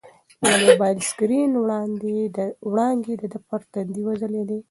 د موبایل د سکرین وړانګې د ده پر تندي وځلېدې.